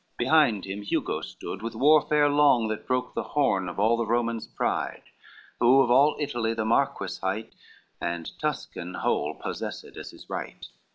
Behind him Hugo stood with warfare long, That broke the horn of all the Romans' pride, Who of all Italy the marquis hight, And Tuscan whole possessed as his right.